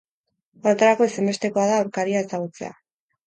Horretarako ezinbestekoa da aurkaria ezagutzea.